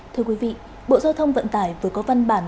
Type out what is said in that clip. thưa quý vị bộ giao thông vận tải vừa có văn bản